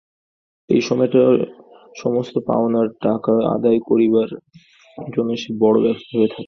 এই সময়টা সমস্ত পাওনার টাকা আদায় করিবার জন্য সে বড়ো ব্যস্ত থাকে।